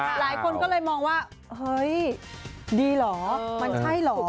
หลายคนก็เลยมองว่าเฮ้ยดีเหรอมันใช่เหรอ